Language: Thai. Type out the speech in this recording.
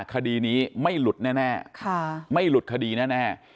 คดีนี้ไม่หลุดแน่ไม่หลุดคดีแน่